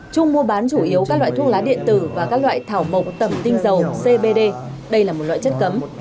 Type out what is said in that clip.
trung mua bán chủ yếu các loại thuốc lá điện tử và các loại thảo mộc tẩm tinh dầu cbd đây là một loại chất cấm